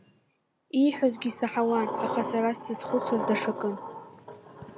Ииҳәозгьы саҳауан, аха сара сзызхәыцуаз даҽакын.